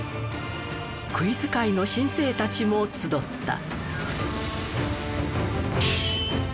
クイズ界の新星たちも集った。